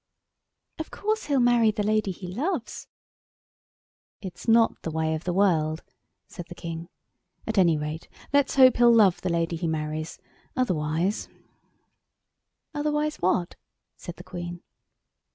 "Of course he'll marry the lady he loves." "It's not the way of the world," said the King. "At any rate, let's hope he'll love the lady he marries. Otherwise——" "Otherwise what?" said the Queen.